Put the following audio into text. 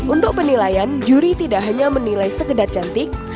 untuk penilaian juri tidak hanya menilai sekedar cantik